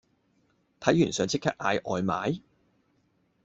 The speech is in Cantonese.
睇完想即刻嗌外賣？